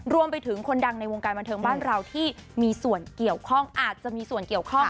รวมไปถึงคนดังในวงการบันเทิงบ้านเราที่มีส่วนเกี่ยวข้องอาจจะมีส่วนเกี่ยวข้อง